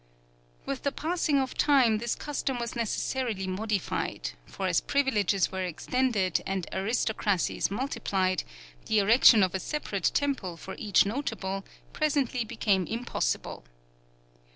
With the passing of time, this custom was necessarily modified; for as privileges were extended and aristocracies multiplied, the erection of a separate temple to each notable presently became impossible.